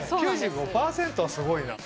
９５％はすごいな。